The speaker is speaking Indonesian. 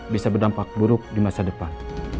bisa berdampak buruk di masa depan